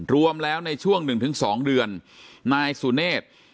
รวมแล้วในช่วง๑๒เดือนนายสุเนธ